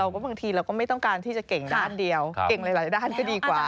บางทีเราก็ไม่ต้องการที่จะเก่งด้านเดียวเก่งหลายด้านก็ดีกว่า